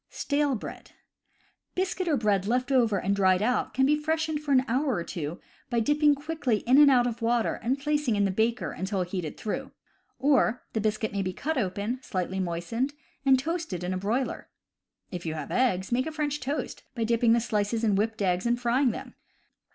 Stale Bread. — Biscuit or bread left over and dried out can be freshened for an hour or two by dipping quickly in and out of water and placing in the baker until heated through; or, the biscuit may be cut open, slightly moistened, and toasted in a broiler. If you have eggs, make a French toast by dipping the slices in whipped eggs and frying them.